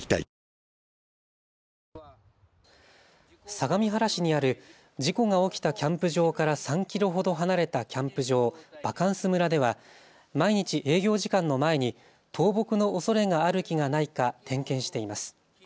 相模原市にある事故が起きたキャンプ場から３キロほど離れたキャンプ場、バカンス村では毎日、営業時間の前に倒木のおそれがある木がないか点検しています。